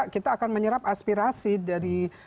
kita akan menyerap aspirasi dari